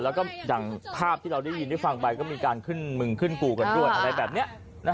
แล้วก็อย่างภาพที่เราได้ยินได้ฟังไปก็มีการขึ้นมึงขึ้นกูกันด้วยอะไรแบบนี้